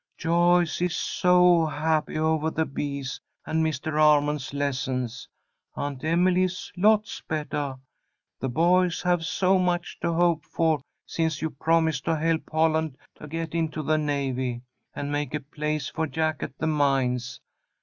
Joyce is so happy ovah the bees and Mr. Armond's lessons. Aunt Emily is lots bettah, the boys have so much to hope for since you promised to help Holland get into the Navy, and make a place for Jack at the mines.